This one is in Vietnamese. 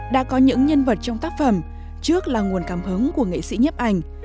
đã có những nhân vật trong tác phẩm trước là nguồn cảm hứng của nghệ sĩ nhấp ảnh